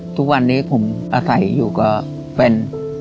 ทุกวันนี้ผมอาศัยอยู่กับแฟน